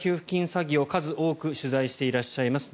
詐欺を数多く取材していらっしゃいます